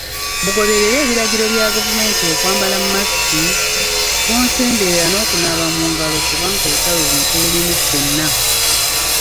Mugoberere ebiragiro bya gavumenti okwambala masiki, tonsemberera n'okunaaba mu ngalo kubanga olutalo luno tululimu ffenna.